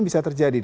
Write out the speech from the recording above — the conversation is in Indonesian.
bisa terjadi mas